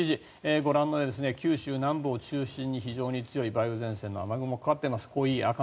ご覧のように九州南部を中心に非常に強い梅雨前線の雨雲がかかっています。